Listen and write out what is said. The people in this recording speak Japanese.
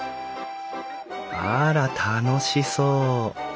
あら楽しそう。